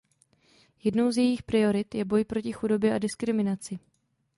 Jednou z jejích priorit je boj proti chudobě a diskriminaci.